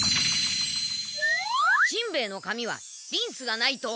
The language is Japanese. しんべヱの髪はリンスがないと。